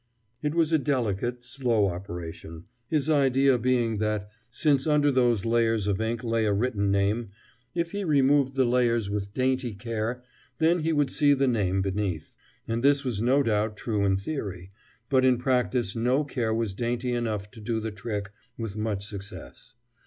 It was a delicate, slow operation, his idea being that, since under those layers of ink lay a written name, if he removed the layers with dainty care, then he would see the name beneath. And this was no doubt true in theory, but in practice no care was dainty enough to do the trick with much success.